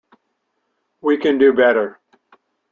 We can do better.